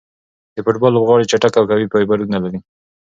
د فوټبال لوبغاړي چټک او قوي فایبرونه لري.